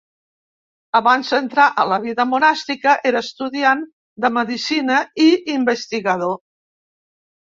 Abans d'entrar a la vida monàstica, era estudiant de Medicina i investigador.